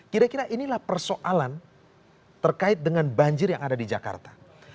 kira kira inilah persoalan terkait dengan banjir yang ada di jakarta